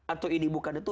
atau ini bukan itu